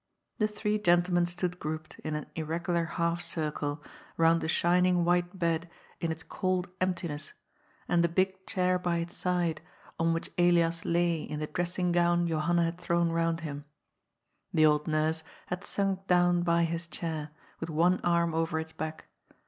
The three gentlemen stood grouped, in an irregular half circle, round the shining white bed in its cold emptiness 272 GOD'S POOL. and the big chair by its side, on which Elias lay in the dressing gown Johanna had thrown round him. The old nurse had sunk down by this chair, with one arm over its back.